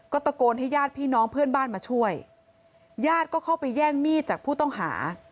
ตะโกนให้ญาติพี่น้องเพื่อนบ้านมาช่วยญาติก็เข้าไปแย่งมีดจากผู้ต้องหา